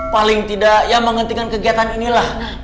paling tidak ya menghentikan kegiatan inilah